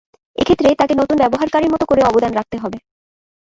এক্ষেত্রে তাকে নতুন ব্যবহারকারীর মত করে অবদান রাখতে হবে।